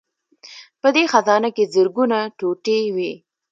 په دې خزانه کې زرګونه ټوټې وې